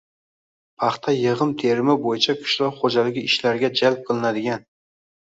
paxta yig‘im-terimi bo‘yicha qishloq xo‘jaligi ishlariga jalb qilinadigan